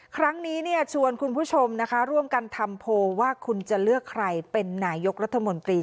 ครั้งนี้ชวนคุณผู้ชมนะคะร่วมกันทำโพลว่าคุณจะเลือกใครเป็นนายกรัฐมนตรี